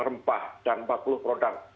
rempah dan empat puluh produk